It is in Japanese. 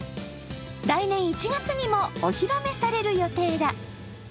来年１月にもお披露目される予定だ。